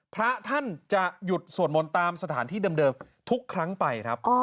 พระท่านจะหยุดสวดมนต์ตามสถานที่เดิมทุกครั้งไปครับ